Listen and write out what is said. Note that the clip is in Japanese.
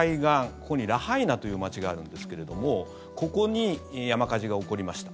ここにラハイナという街があるんですけれどもここに山火事が起こりました。